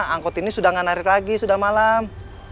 angkot ini sudah nggak narik lagi sudah malam